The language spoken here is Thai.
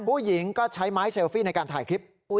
ผู้หญิงก็ใช้ไม้เซลฟี่ในการถ่ายคลิป